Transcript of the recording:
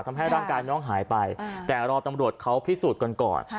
ทำให้ร่างกายน้องหายไปแต่รอตำรวจเขาพิสูจน์กันก่อน